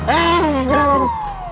eh kenapa lu